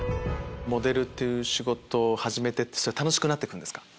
モデルっていう仕事を始めて楽しくなってくんですか？